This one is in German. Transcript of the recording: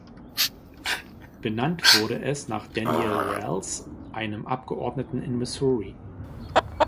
Benannt wurde es nach Daniel Ralls, einem Abgeordneten in Missouri.